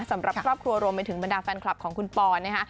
สำหรับครอบครัวรวมไปถึงบรรดาแฟนคลับของคุณปอนนะคะ